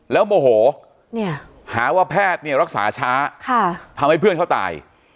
แล้วโมโหหาว่าแพทย์เนี่ยรักษาช้าทำให้เพื่อนเขาตาย